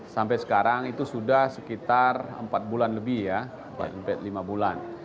sampai sekarang itu sudah sekitar empat bulan lebih ya empat lima bulan